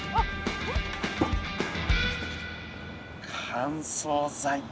乾燥剤か。